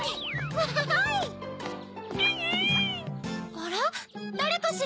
あらだれかしら？